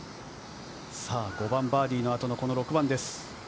５番バーディーの後の６番です。